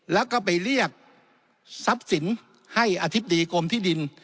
แล้วก็ไปเรียกทรัพย์สินให้อธิบดีกรมที่ดิน